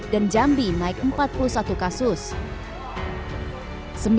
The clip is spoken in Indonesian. dan jambi naik empat puluh satu kasus